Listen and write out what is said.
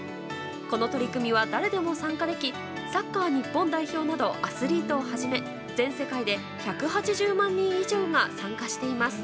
この取り組みは誰でも参加できサッカー日本代表などアスリートをはじめ全世界で１８０万人以上が参加しています。